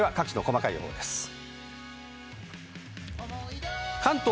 各地の細かい予報です。